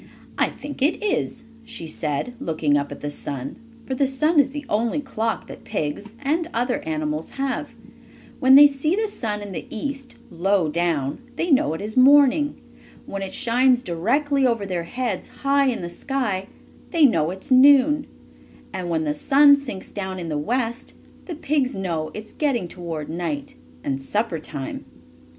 "I think it is," she said, looking up at the sun, for the sun is the only clock that pigs, and other animals, have. When they see the sun in the east, low down, they know it is morning. When it shines directly over their heads, high in the sky, they know it is noon. And when the sun sinks down in the west the pigs know it is getting toward night, and supper time.